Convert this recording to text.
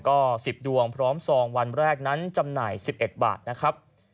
ก็สิบดวงพร้อมสองวันแรกนั้นจำหน่ายสิบเอ็ดบาทนะครับ